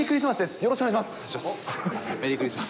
よろしくお願いします。